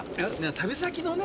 旅先のね